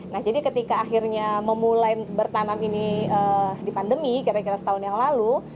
nah jadi ketika akhirnya memulai bertanam ini di pandemi kira kira setahun yang lalu